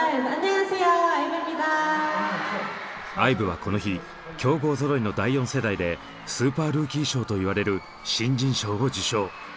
ＩＶＥはこの日強豪ぞろいの第４世代でスーパールーキー賞と言われる新人賞を受賞。